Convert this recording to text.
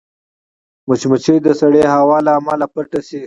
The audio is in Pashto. مچمچۍ د سړې هوا له امله پټه شي